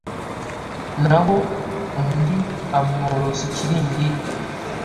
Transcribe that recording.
naho undi amworosa ikiringiti